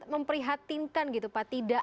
memprihatinkan gitu pak tidak